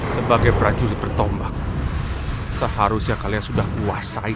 sebagai prajurit bertombak seharusnya kalian sudah kuasai